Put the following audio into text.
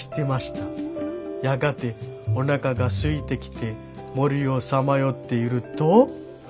やがておなかがすいてきて森をさまよっていると」。